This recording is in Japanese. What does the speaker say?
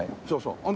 そうそう。